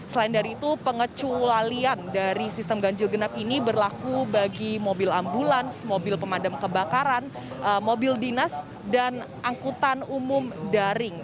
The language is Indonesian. selain dari itu pengeculalian dari sistem ganjil genap ini berlaku bagi mobil ambulans mobil pemadam kebakaran mobil dinas dan angkutan umum daring